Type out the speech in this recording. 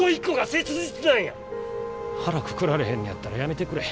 腹くくられへんのやったら辞めてくれ。